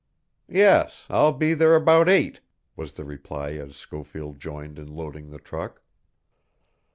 "Yes, I'll be there about eight," was the reply as Schofield joined in loading the truck.